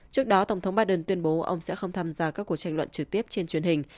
trước đó tổng thống biden tuyên bố ông sẽ không tham gia các cuộc tranh luận trực tiếp trên truyền hình